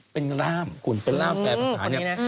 เป็นร่ามกุลเป็นร่ามแปลภาษา